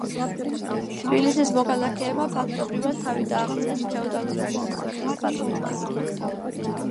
თბილისის მოქალაქეებმა ფაქტობრივად თავი დააღწიეს ფეოდალური არისტოკრატიის ბატონობას.